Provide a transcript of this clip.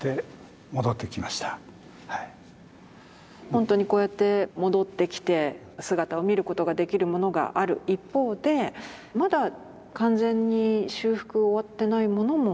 本当にこうやって戻ってきて姿を見ることができるものがある一方でまだ完全に修復終わってないものも？